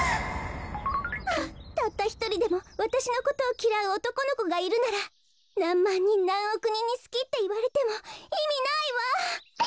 ああたったひとりでもわたしのことをきらうおとこのこがいるならなんまんにんなんおくにんに「すき」っていわれてもいみないわ！